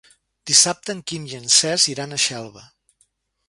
Dissabte en Quim i en Cesc iran a Xelva.